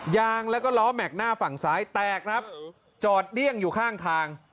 ยางแล้วก็ล้อแม็กซ์หน้าฝั่งซ้ายแตกครับจอดเดี้ยงอยู่ข้างทาง